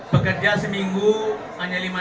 bekerja seminggu hanya lima